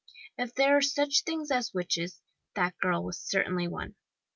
If there are such things as witches, that girl certainly was one.